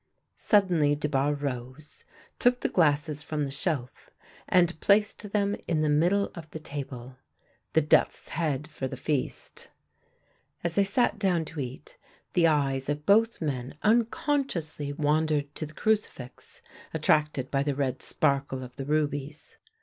Suddenly Dubarre rose, took the glasses from the shelf and placed them in the middle of the table — the death's head for the feast. As they sat down to eat, the eyes of both men un consciously wandered to the crucifix, attracted by the red sparkle of the rubies.